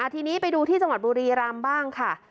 ทีนี้ไปดูที่จังหวัดบุรีรำบ้างค่ะ